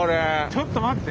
ちょっと待って。